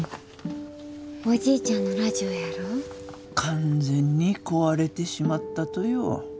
完全に壊れてしまったとよ。